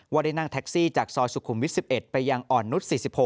ได้นั่งแท็กซี่จากซอยสุขุมวิท๑๑ไปยังอ่อนนุษย์๔๖